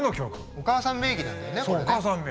お母さん名義なんだよねこれね。